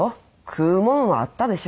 食うもんはあったでしょ？